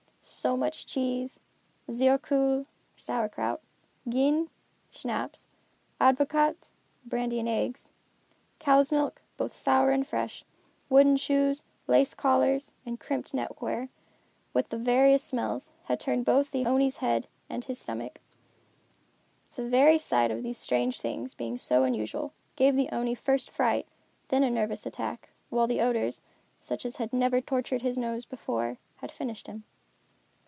So much cheese, zuur kool (sour krout), gin (schnapps), advocaat (brandy and eggs), cows' milk, both sour and fresh, wooden shoes, lace collars and crimped neckwear, with the various smells, had turned both the Oni's head and his stomach. The very sight of these strange things being so unusual, gave the Oni first fright, and then a nervous attack, while the odors, such as had never tortured his nose before, had finished him.